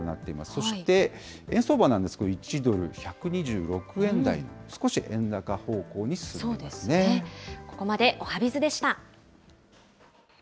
そして、円相場なんですけど、１ドル１２６円台、少し円高方向にここまでおはＢｉｚでした。